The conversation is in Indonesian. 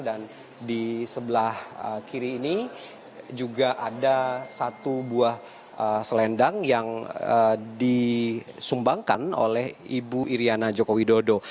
dan di sebelah kiri ini juga ada satu buah selendang yang disumbangkan oleh ibu iryana jokowi dodo